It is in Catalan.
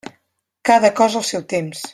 Cada cosa al seu temps.